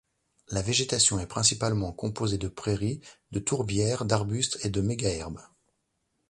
La végétation est principalement composée de prairies, de tourbières, d’arbustes et de mégaherbes.